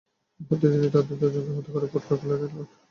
মুহূর্তে তিনি তাদের দশজনকে হত্যা করে ফটক খুলে দিলেন।